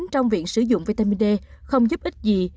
trong việc sử dụng vitamin d không giúp ích gì